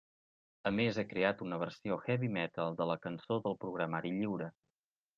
A més, ha creat una versió heavy metal de la Cançó del Programari Lliure.